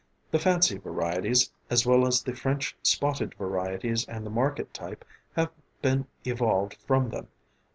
The fancy varieties, as well as the French spotted varieties and the market type, have been evolved from them.